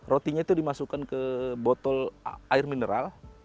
rotinya itu dimasukkan ke botol air mineral